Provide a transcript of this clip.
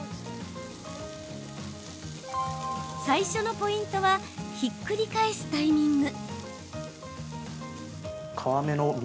最初のポイントはひっくり返すタイミング。